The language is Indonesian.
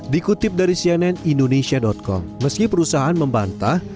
dikutip dari cnn indonesia com meski perusahaan membantah